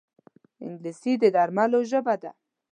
انګلیسي د درملو ژبه ده